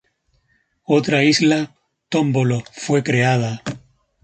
Otra isla, "Tómbolo", fue creada.